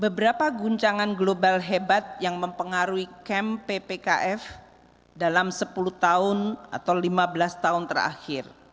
beberapa guncangan global hebat yang mempengaruhi camp ppkf dalam sepuluh tahun atau lima belas tahun terakhir